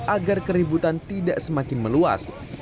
agar keributan tidak semakin meluas